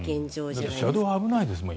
だって車道、危ないですもん。